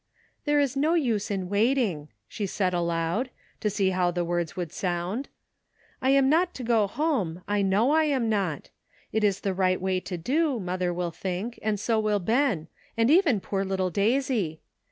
*' There is no use in waiting," she said aloud, to see how the words would sound ;'' I am not to go home, I know I am not. It is the right way to dp, mother will think, and so will Ben, and even poor little Daisy.